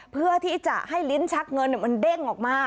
เพื่อที่จะให้ลิ้นชักเงินมันเด้งออกมา